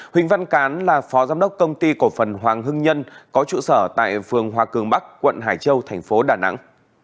huỳnh văn cán là phó giám đốc công ty cổ phần hoàng hưng nhân có trụ sở tại phường hòa cường bắc quận hải châu thành phố đà nẵng